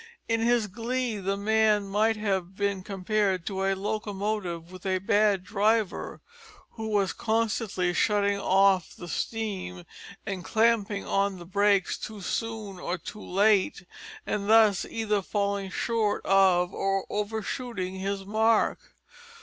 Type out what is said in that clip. In his glee the man might have been compared to a locomotive with a bad driver, who was constantly shutting off the steam and clapping on the brakes too soon or too late, thus either falling short of or overshooting his mark.